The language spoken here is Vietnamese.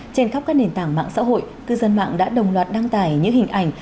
trên khắp các nền tảng mạng xã hội cư dân mạng đã đồng loạt đăng tải những hình ảnh